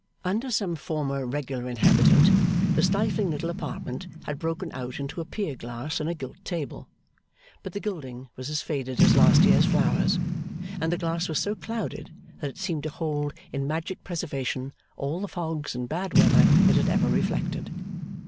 Under some former regular inhabitant, the stifling little apartment had broken out into a pier glass and a gilt table; but the gilding was as faded as last year's flowers, and the glass was so clouded that it seemed to hold in magic preservation all the fogs and bad weather it had ever reflected.